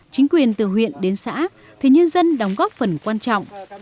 chính quyền từ huyện đến xã thì nhân dân đóng góp phần quan trọng